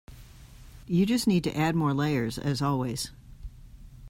You just need to add more layers as always.